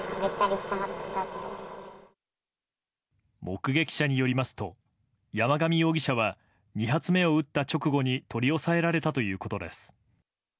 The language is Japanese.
目撃者によりますと山上容疑者は２発目を撃った直後に取り押さえられたということです。